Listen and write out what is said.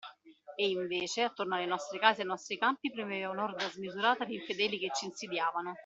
E, invece, attorno alle nostre case e ai nostri campi premeva un’orda smisurata d’infedeli che c’insidiavano.